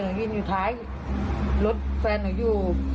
หนูยืนอยู่ท้ายกับรถแฟนหนูอยู่